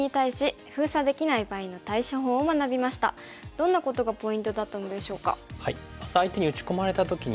どんなことがポイントだったのでしょうか。